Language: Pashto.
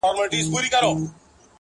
چي په ژوند یې ارمان وخېژي نو مړه سي-